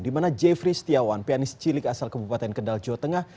di mana jeffrey setiawan pianis cilik asal kebupaten kendal jawa tengah